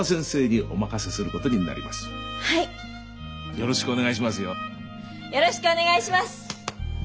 よろしくお願いします。